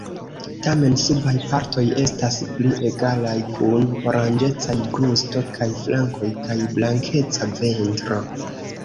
Tamen subaj partoj estas pli egalaj kun oranĝecaj brusto kaj flankoj kaj blankeca ventro.